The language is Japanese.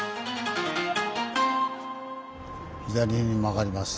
左に曲がります。